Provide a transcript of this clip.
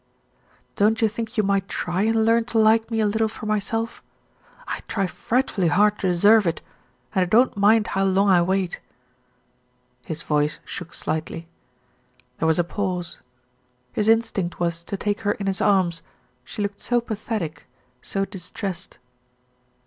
"Don't you think you might try and learn to like me a little for myself? I'd try frightfully hard to deserve it, and I don't mind how long I wait." His voice shook slightly. There was a pause. His instinct was to take her in his arms, she looked so pathetic, so distressed.